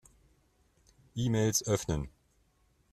E-Mails öffnen.